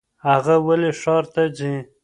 هغه ولې ښار ته ځي ؟